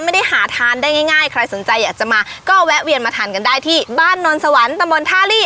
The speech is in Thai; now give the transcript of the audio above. ไม่ได้หาทานได้ง่ายใครสนใจอยากจะมาก็แวะเวียนมาทานกันได้ที่บ้านนนสวรรค์ตำบลท่าลี่